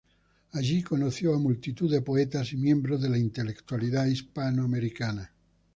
Allí conoció a multitud de poetas y miembros de la intelectualidad hispanoamericana.